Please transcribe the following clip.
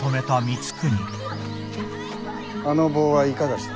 あの棒はいかがした？